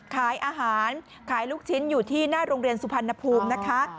ขายอาหารขายลูกชิ้นอยู่ที่หน้าโรงเรียนสุพรรณภูมินะคะ